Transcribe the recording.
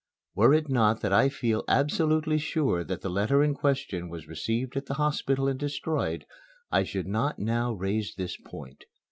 Were it not that I feel absolutely sure that the letter in question was received at the hospital and destroyed, I should not now raise this point.